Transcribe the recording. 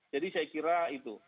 jadi saya kira itu